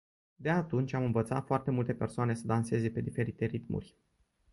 De atunci, am învățat foarte multe persoane să danseze pe diferite ritmuri.